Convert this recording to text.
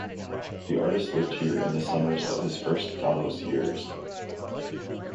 The artist lived here in the summers of his first Davos years.